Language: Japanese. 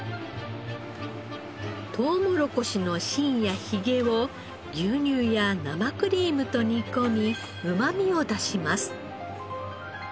とうもろこしの芯やひげを牛乳や生クリームと煮込みうまみを出します。